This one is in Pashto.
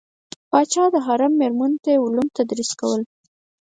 پاچا د حرم میرمنو ته یې علوم تدریس کول.